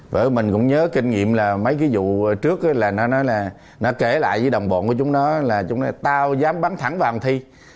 vậy mình cũng nhớ kinh nghiệm là mấy cái vụ trước là nó nói là nó kể lại với đồng bộ của chúng nó là chúng nói là tao dám bắn thẳng vào thằng thi